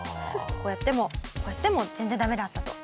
こうやってもこうやっても全然ダメだったと。